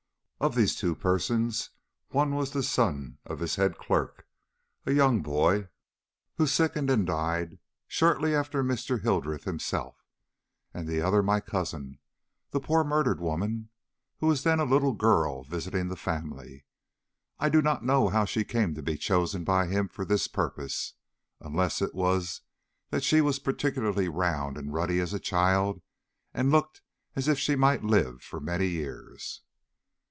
Of these two persons one was the son of his head clerk, a young boy, who sickened and died shortly after Mr. Hildreth himself, and the other my cousin, the poor murdered woman, who was then a little girl visiting the family. I do not know how she came to be chosen by him for this purpose, unless it was that she was particularly round and ruddy as a child, and looked as if she might live for many years."